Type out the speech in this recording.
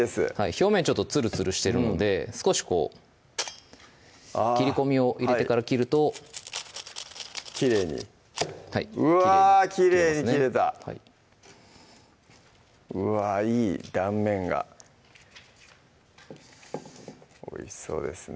表面ちょっとツルツルしてるので少しこう切り込みを入れてから切るときれいにはいきれいにうわきれいに切れたうわぁいい断面がおいしそうですね